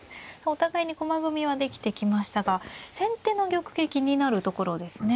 お互いに駒組みはできてきましたが先手の玉形気になるところですね。